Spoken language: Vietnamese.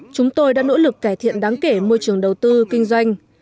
chúng tôi đã nỗ lực cải thiện đáng kể môi trường đầu tư kinh doanh